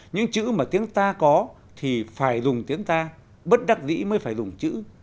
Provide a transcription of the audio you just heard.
những chữ mà tiếng ta có thì phải dùng tiếng ta bất đắc dĩ mới phải dùng chữ